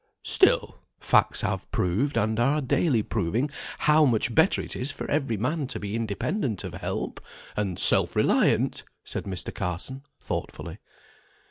"Still, facts have proved and are daily proving how much better it is for every man to be independent of help, and self reliant," said Mr. Carson, thoughtfully.